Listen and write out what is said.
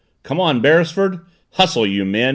"Come on, Beresford!" "Hustle you men!